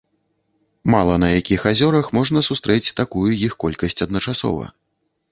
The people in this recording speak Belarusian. Мала на якіх азёрах можна сустрэць такую іх колькасць адначасова.